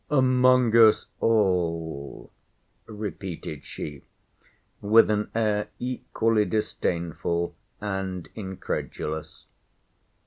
Among us all! repeated she, with an air equally disdainful and incredulous.